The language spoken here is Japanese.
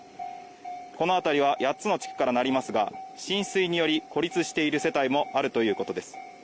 この辺りは８つの地区からなりますが、浸水により孤立している世帯もあるということです。